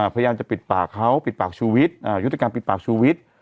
พยายามจะปิดปากเขาปิดปากชูวิทยุติการปิดปากชูวิทย์